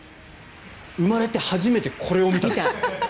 生まれて初めてこれを見た。